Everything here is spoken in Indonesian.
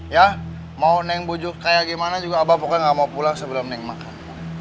ya mau neng bujuk kayak gimana juga abah pokoknya nggak mau pulang sebelum neng makan